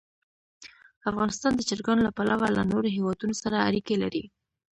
افغانستان د چرګان له پلوه له نورو هېوادونو سره اړیکې لري.